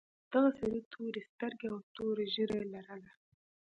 دغه سړي تورې سترګې او تور ږیره لرله.